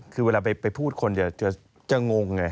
คือเวลาไปพูดคนจะงงไง